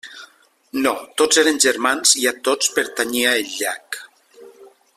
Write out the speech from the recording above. No; tots eren germans i a tots pertanyia el llac.